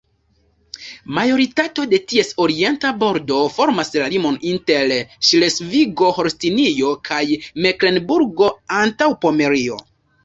Majoritato de ties orienta bordo formas la limon inter Ŝlesvigo-Holstinio kaj Meklenburgo-Antaŭpomerio.